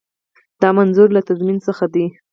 دا منظور له تضمین څخه دی.